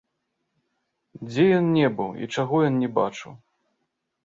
Дзе ён не быў і чаго ён не бачыў?